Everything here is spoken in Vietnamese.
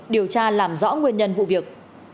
điều tra làm rõ nguyên nhân vụ việc